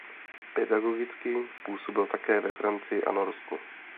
Pedagogicky působil také ve Francii a Norsku.